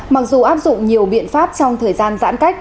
mặc dù áp dụng nhiều biện pháp trong thời gian giãn cách